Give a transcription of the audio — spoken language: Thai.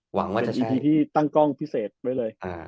มันจะอีพีที่ตั้งกล้องพิเศษไว้เลย